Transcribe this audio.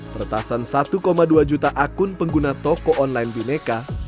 peretasan satu dua juta akun pengguna toko online bineka